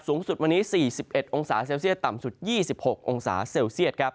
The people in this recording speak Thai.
สูงสุดวันนี้๔๑องศาเซลเซียตต่ำสุด๒๖องศาเซลเซียตครับ